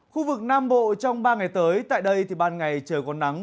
khu vực nam bộ trong ba ngày tới tại đây thì ban ngày trời còn nắng